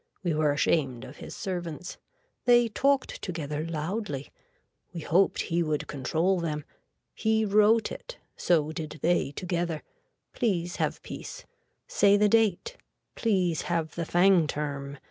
We were ashamed of his servants. They talked together loudly. We hoped he would control them. He wrote it. So did they together. Please have peace. Say the date. Please have the Fangturm.